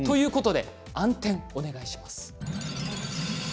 暗転、お願いします。